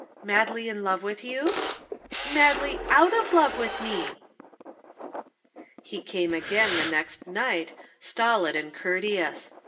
"Madly in love with you?" "Madly out of love with me." He came again the next night, stolid and courteous.